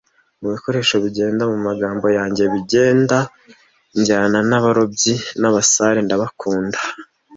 Mubikoresho bigenda mumagambo yanjye bigenda, njyana nabarobyi nabasare ndabakunda.